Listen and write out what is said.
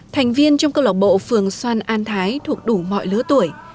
thành viên trong câu lạc bộ phường xoan an thái thuộc đủ mọi lứa tuổi